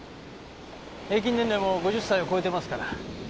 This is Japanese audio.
平均年齢も５０歳を超えてますから。